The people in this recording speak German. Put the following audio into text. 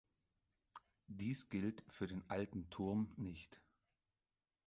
Dies gilt für den alten Turm nicht.